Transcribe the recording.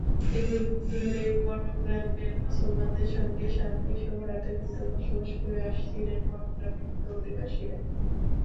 দীর্ঘদিন ধরেই বনগ্রামের মুসলমানদের সঙ্গে শান্তি-সৌহার্দ্যের মধ্যে বসবাস করে আসছিলেন বনগ্রামের হিন্দু অধিবাসীরা।